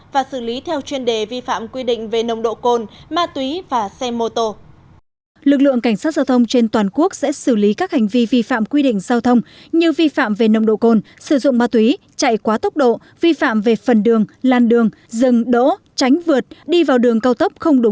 và xử lý theo chuyên đề vi phạm quy định về nồng độ cồn ma túy và xe mô tô